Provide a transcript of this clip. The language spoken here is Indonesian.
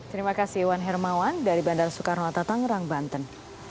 terima kasih iwan hermawan dari bandara soekarno hatta tangerang banten